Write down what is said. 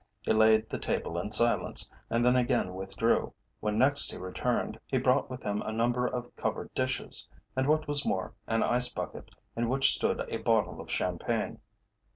He laid the table in silence, and then again withdrew. When next he returned he brought with him a number of covered dishes, and, what was more, an ice bucket, in which stood a bottle of champagne.